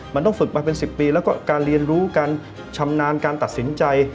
มันต้องฝึกมาเป็น๑๐ปีแล้วก็การเรียนรู้การชำนาญการตัดสินใจ